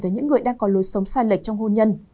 tới những người đang có lối sống sai lệch trong hôn nhân